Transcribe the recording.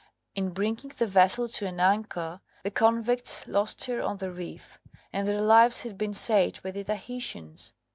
In bringing the vessel to an anchor the convicts lost her on the reef, and their lives had been saved by the Tahitians.